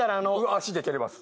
足で蹴ります。